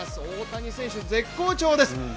大谷選手、絶好調です。